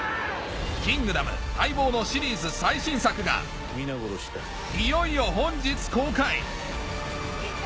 『キングダム』待望のシリーズ最新作がいよいよ本日公開行け！